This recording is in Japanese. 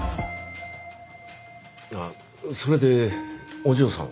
あっそれでお嬢さんは？